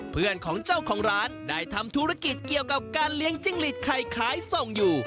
เพื่อนของเจ้าของร้านได้ทำธุรกิจเกี่ยวกับการเลี้ยงจิ้งหลีดไข่ขายส่งอยู่